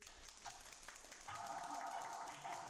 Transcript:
Pinkas has released a number of notable solo and duo recordings.